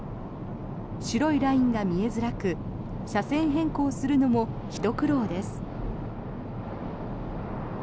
白いラインが見えづらく車線変更するのもひと苦労です。